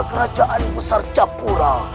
kerajaan besar capura